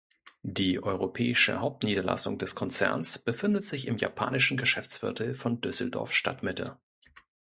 Die europäische Hauptniederlassung des Konzerns befindet sich im japanischen Geschäftsviertel von Düsseldorf-Stadtmitte.